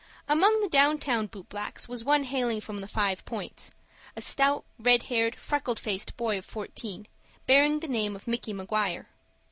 Among the down town boot blacks was one hailing from the Five Points,—a stout, red haired, freckled faced boy of fourteen, bearing the name of Micky Maguire.